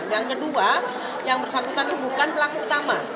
yang kedua yang bersangkutan itu bukan pelaku utama